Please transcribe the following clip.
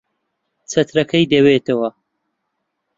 چەترەکەی دەوێتەوە.